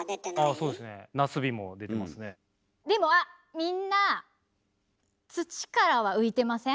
みんな土からは浮いてません？